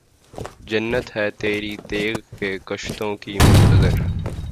جنت ہے تیری تیغ کے کشتوں کی منتظر